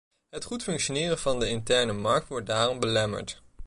Het goed functioneren van de interne markt wordt daarom belemmerd.